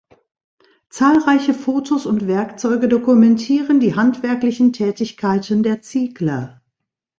Zahlreiche Fotos und Werkzeuge dokumentieren die handwerklichen Tätigkeiten der Ziegler.